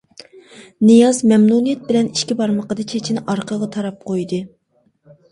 نىياز مەمنۇنىيەت بىلەن ئىككى بارمىقىدا چېچىنى ئارقىغا تاراپ قويدى.